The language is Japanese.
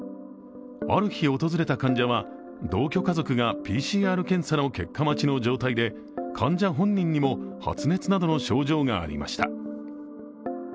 ある日訪れた患者は同居家族がＰＣＲ検査の結果待ちの状態で患者本人にも発熱などの症状がありました。